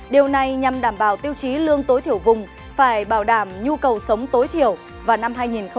điều này nhằm đảm bảo tiêu chí lương tối thiểu vùng phải bảo đảm nhu cầu sống tối thiểu vào năm hai nghìn hai mươi